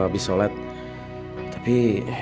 sampai jumpa lagi